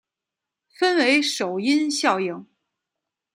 分为首因效应。